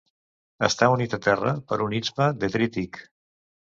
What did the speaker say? Està unit a terra per un istme detrític.